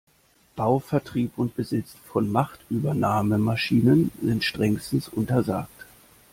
Bau, Vertrieb und Besitz von Machtübernahmemaschinen sind strengstens untersagt.